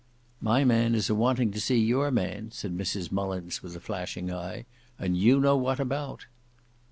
"My man is a wanting to see your man," said Mrs Mullins, with a flashing eye; "and you know what about."